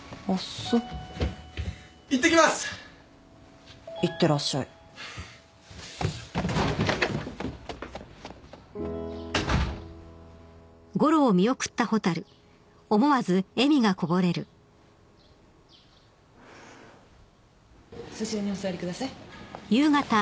そちらにお座りください。